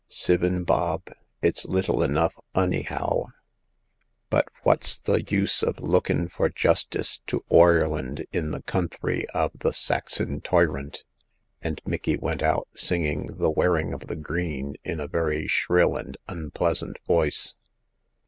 Sivin bob ; it's little enough onyhow ; but phwat's the use of lookin' for justice to Oireland in the counthry av the Saxon toyrant ?" and Micky went out, singing " The Wearing of the Green " in a very shrill and unpleasant voice.